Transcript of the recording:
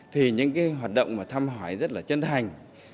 thì những cái hoạt động mà thăm hỏi rất là chân thành